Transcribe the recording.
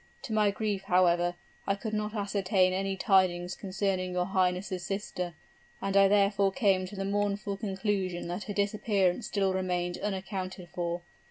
To my grief, however, I could not ascertain any tidings concerning your highness' sister; and I therefore came to the mournful conclusion that her disappearance still remained unaccounted for.